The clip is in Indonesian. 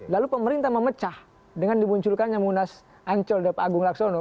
lalu pemerintah memecah dengan dimunculkannya munas ancol dan pak agung laksono